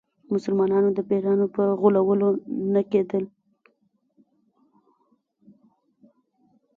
مسلمانانو د پیرانو په غولولو نه کېدل.